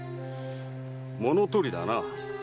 物盗りだな。